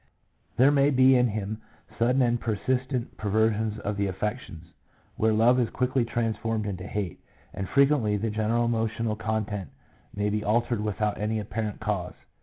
There may be in him sudden and persistent per versions of the affections, where love is quickly transformed into hate ; and frequently the general emotional content may be altered without any apparent cause.